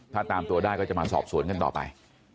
ถ้าตามตัวได้ก็จะมาสอบสวนกันต่อไป